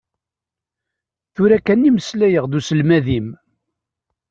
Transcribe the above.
Tura kan i meslayeɣ d uselmad-im.